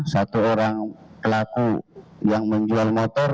satu orang pelaku yang menjual motor